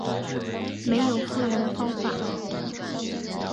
没有复原的方法